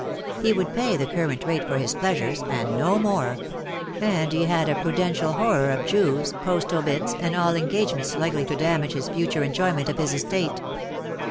He would pay the current rate for his pleasures, and no more ; and he had a prudential horror of Jews, post obits, and all engagements likely to damage his future enjoyment of his estate.